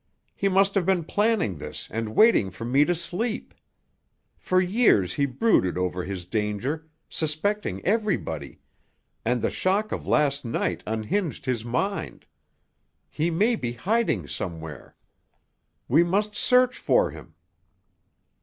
"He must have been planning this and waiting for me to sleep. For years he brooded over his danger, suspecting everybody, and the shock of last night unhinged his mind. He may be hiding somewhere. We must search for him."